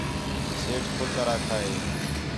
سیٹھ کھل کر آکھا ہِے